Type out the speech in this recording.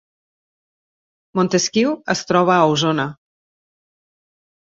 Montesquiu es troba a Osona